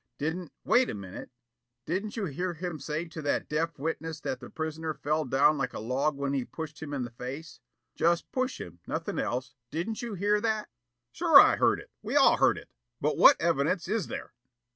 Didn't Wait a minute! didn't you hear him say to that deaf witness that the prisoner fell down like a log when he push him in the face? Just push him, nothing else. Didn't you hear that?" "Sure I heard it. We all heard it. But what EVIDENCE is there?"